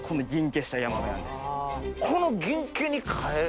この。